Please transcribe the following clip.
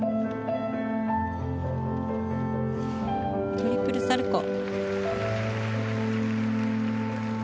トリプルサルコウ。